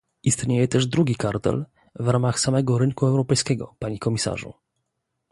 Istnieje też drugi kartel, w ramach samego rynku europejskiego, panie komisarzu